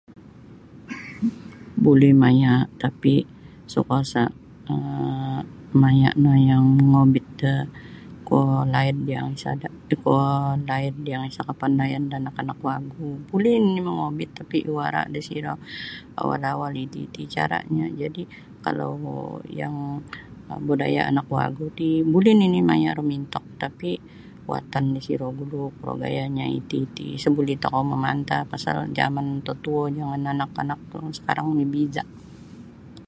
Buli maya' tapi sa kuasa um maya no yang mongobit da kuo laid yang isada kuo laid yang isa kapandayan da anak-anak wagu buli nini mogobit tapi iwara disiro awal-awal iti-iti cara'nyo jadi kalau yang budaya anak wagu ti buli nini maya rumintok tapi watan disiro gulu kuro gayanyo iti-iti sa buli tokou mamantah pasal jaman tutuo jangan anak-anak yang sekarang mibija'.